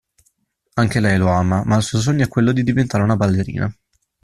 Anche lei lo ama, ma il suo sogno è quello di diventare una ballerina.